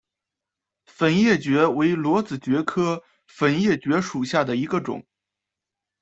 粉叶蕨为裸子蕨科粉叶蕨属下的一个种。